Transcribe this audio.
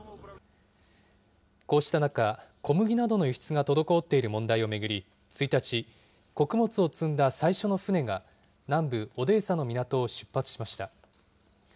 こうした中、小麦などの輸出が滞っている問題を巡り、１日、穀物を積んだ最初の船が南部オデーサの港を出発しました。